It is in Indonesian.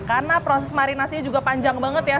karena proses marinasinya juga panjang banget ya